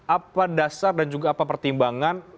apa dasar dan juga apa pertimbangan